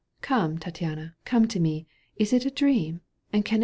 come, Tattiana, come to me ! Is it a dream, and can it be